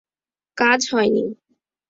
কাজ হয় নি।